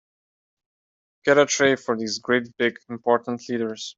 Get a tray for these great big important leaders.